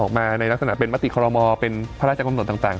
ออกมาในลักษณะเป็นมติครมอเป็นพระราชกรมส่วนต่าง